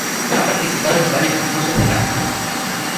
Ha participado en varios concursos de canto.